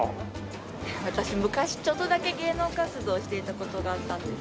私昔ちょっとだけ芸能活動していた事があったんです。